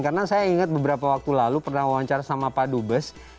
karena saya ingat beberapa waktu lalu pernah wawancara sama pak dubes